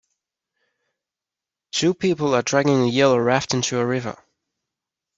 two people are dragging a yellow raft into a river.